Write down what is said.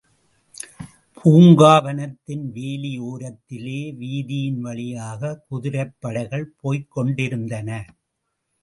பூங்காவனத்தின் வேலி ஓரத்திலே, வீதியின் வழியாக குதிரைப் படைகள் போய்க் கொண்டிருந்தன.